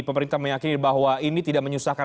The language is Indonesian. pemerintah meyakini bahwa ini tidak menyusahkan